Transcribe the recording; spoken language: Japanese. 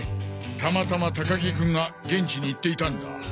たまたま高木君が現地に行っていたんだ。